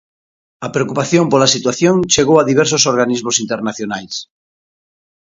A preocupación pola situación chegou a diversos organismos internacionais.